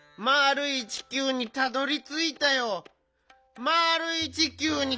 「まあるい地球にたどり着いたよ」